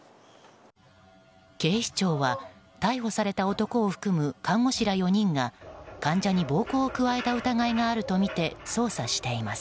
警視庁は、逮捕された男を含む看護師ら４人が患者に暴行を加えた疑いがあるとみて捜査しています。